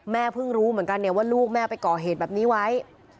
เพิ่งรู้เหมือนกันเนี่ยว่าลูกแม่ไปก่อเหตุแบบนี้ไว้